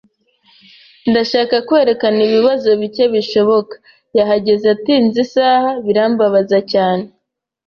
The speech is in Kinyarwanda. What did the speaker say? Ndashaka kwerekana ibibazo bike bishoboka. Yahageze atinze isaha, birambabaza cyane.